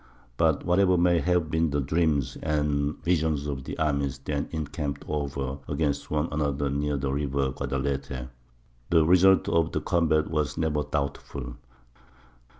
But whatever may have been the dreams and visions of the armies then encamped over against one another near the river Guadelete, the result of the combat was never doubtful.